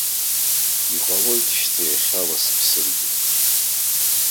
Иҟалоит шьҭа иахьала сыԥсыргьы.